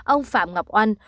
ông phạm ngọc oanh